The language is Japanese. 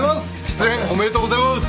失恋おめでとうございます！